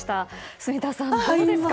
住田さん、どうですか？